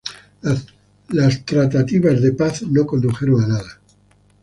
Las tratativas de paz no condujeron a nada.